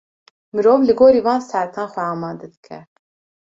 Mirov li gorî van saetan xwe amade dike.